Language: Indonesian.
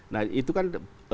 nah itu kan